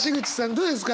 どうですか？